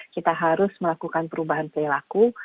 kita harus melakukan perubahan perilaku